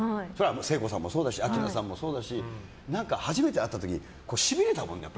聖子さんも明菜さんもそうだけど初めて会った時、しびれたもんね。